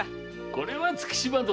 これは月島殿。